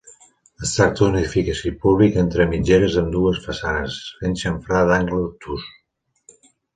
Es tracta d'un edifici públic entre mitgeres amb dues façanes, fent xamfrà d'angle obtús.